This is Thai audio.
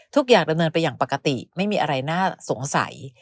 ทุกอย่างจะเนินไปอย่างปกติไม่มีอะไรน่าสงสัย